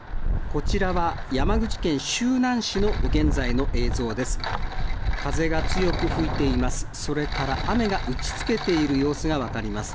こちらは山口県周南市の現在の映像です。